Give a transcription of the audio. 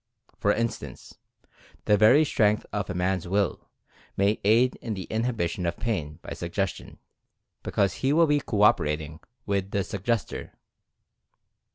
For instance, the very strength of a man's Will may aid in the inhibition of pain by Suggestion, because he will be co operating with the Suggestor.